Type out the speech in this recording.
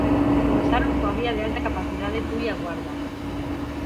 Comezaron coa vía de alta capacidade Tui-A Guarda.